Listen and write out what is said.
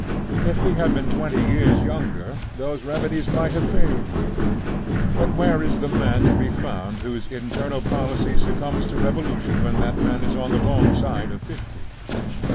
If he had been twenty years younger, those remedies might have failed him. But where is the man to be found whose internal policy succumbs to revolution when that man is on the wrong side of fifty?